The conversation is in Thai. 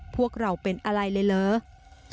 พวกเราเป็นอะไรเลยเหรอ